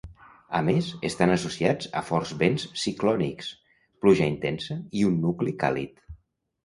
A més, estan associats a forts vents ciclònics, pluja intensa i un nucli càlid.